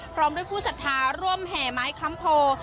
พร้อมด้วยผู้ศรัทธาร่วมแห่ไม้คำโพ